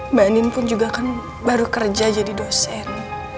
mbak nin pun juga kan baru kerja jadi dosen